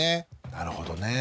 なるほどねえ。